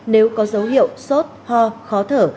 nếu có dấu hiệu sốt ho khó thở